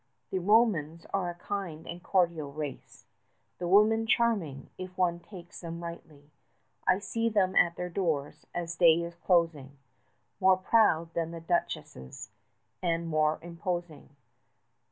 The Romans are a kind and cordial race, 5 The women charming, if one takes them rightly; I see them at their doors, as day is closing, More proud than duchesses, and more imposing.